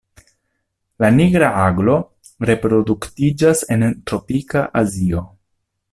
La Nigra aglo reproduktiĝas en tropika Azio.